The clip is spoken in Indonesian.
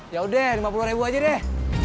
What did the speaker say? yaudah lima puluh aja deh